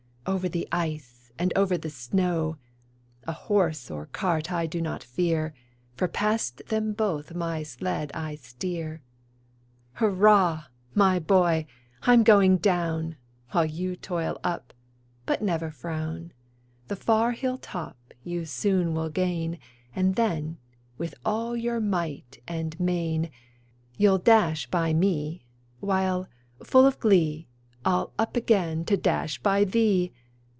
Over the ice, and over the snow; A horse or cart I do not fear. For past them both my sled I steer. Hurra! my boy! I'm going down, While you toil up; but never frown; The far hill top you soon will gain, And then, with all your might and main, You'll dash by me; while, full of glee, I'll up again to dash by thee!